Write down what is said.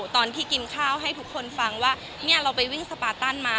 ตอนที่กินข้าวให้ทุกคนฟังว่าเนี่ยเราไปวิ่งสปาตันมา